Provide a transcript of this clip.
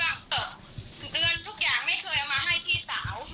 เตือนทุกอย่างไม่เคยเอามาให้พี่สาว